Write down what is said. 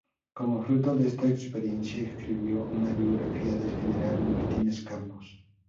Como fruto de esta experiencia escribió una biografía del general Martínez Campos.